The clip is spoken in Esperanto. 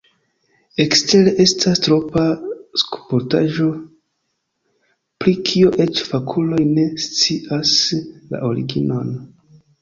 Ekstere estas triopa skulptaĵo, pri kio eĉ fakuloj ne scias la originon.